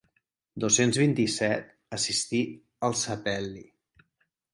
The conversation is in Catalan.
Dos-cents vint-i-set assistir el sepel·li.